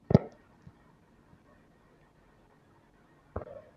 আমাদের দেশের লোক।